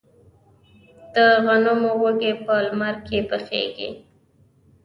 د غنمو وږي په لمر کې پخیږي.